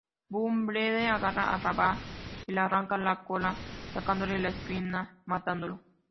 Bumblebee agarra a Ravage y le arranca la cola, sacándole la espina, matándolo.